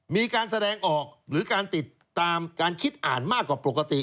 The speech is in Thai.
มีการแสดงออกหรือการติดตามการคิดอ่านมากกว่าปกติ